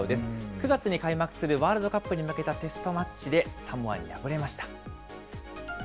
９月に開幕するワールドカップに向けたテストマッチで、サモアに敗れました。